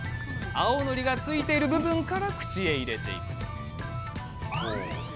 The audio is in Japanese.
青のりがついている部分から口へ入れるんです。